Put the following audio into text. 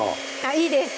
いいです